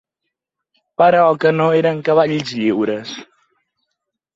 Però que no eren cavalls lliures?